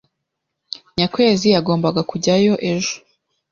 Nyakwezi yagombaga kujyayo ejo.